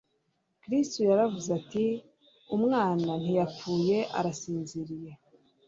Kristo yaravuze ati: «umwana ntiyapfuye arasinziriye.»